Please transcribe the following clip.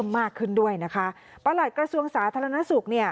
มากขึ้นด้วยนะคะประหลัดกระทรวงสาธารณสุขเนี่ย